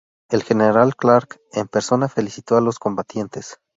El general Clark en persona felicitó a los combatientes.